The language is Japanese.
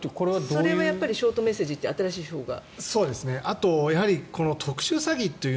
それはショートメッセージという新しい手法が？